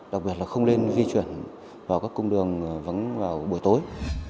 đặc biệt là không nên di chuyển vào các cung đường vắng vào buổi tối